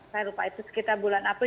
saya lupa itu sekitar bulan april